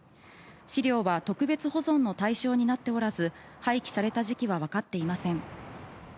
資料は特別保存の対象になっておらず廃棄された時期は分かっていません